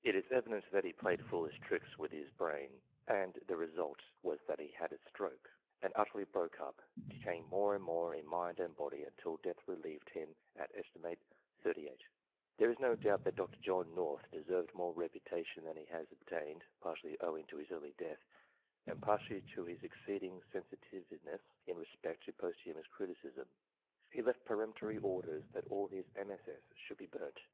It is evident that he played foolish tricks with his brain, 70 THE JUDGES OF ENGLAND and the result was that he had a stroke, and utterly broke up, decaying more and more in mind and body until death relieved him, a3t. 38. There is no doubt that Dr. John North deserved more reputation than he has obtained, partly owing to his early death, and partly to his exceeding sensitiveness in respect to posthumous criticism. He left peremptory orders that all his MSS. should be burnt.